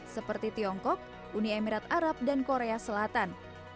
seperti tiongkok uni emirat arab dan korea selatan